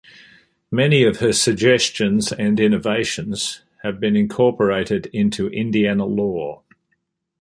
Many of her suggestions and innovations have been incorporated into Indiana law.